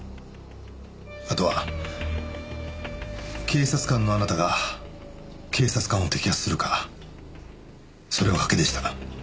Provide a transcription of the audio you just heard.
あとは警察官のあなたが警察官を摘発するかそれは賭けでした。